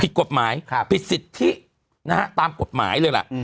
ผิดกฎหมายผิดสิทธินะฮะตามกฎหมายเลยล่ะ